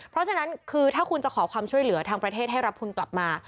เพราะฉะนั้นคือถ้าคุณจะขอความช่วยเหลือทางประเทศให้รับคุณกลับมา